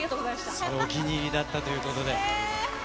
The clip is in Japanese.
お気に入りだったということで。